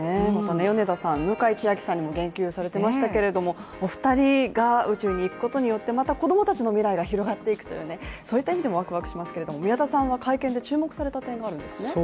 米田さん、向井千秋さんにも言及されてましたけどもお二人が宇宙に行くことによって、子供たちの未来が広がっていくという、そういった意味でもワクワクしますけど宮田さんは会見で注目された点にあるんですね？